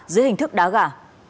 dưới hình thức đá gà